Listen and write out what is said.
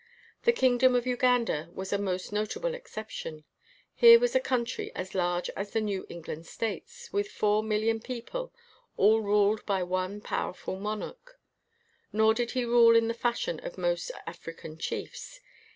The kingdom of Uganda was a most nota ble exception. Here was a country as large as the New England States, with four mil lion people, all ruled by one powerful mon arch. Nor did he rule in the f ashon of most African chiefs.